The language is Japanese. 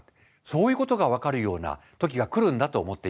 そういうことが分かるような時が来るんだと思っています。